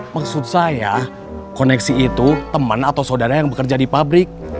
maksud saya koneksi itu teman atau saudara yang bekerja di pabrik